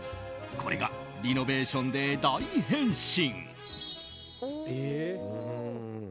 これがリノベーションで大変身！